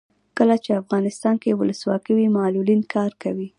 کله چې افغانستان کې ولسواکي وي معلولین کار کوي.